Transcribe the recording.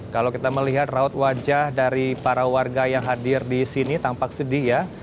kalau kita melihat raut wajah dari para warga yang hadir di sini tampak sedih ya